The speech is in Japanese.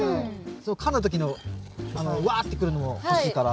かんだ時のワーってくるのも欲しいから。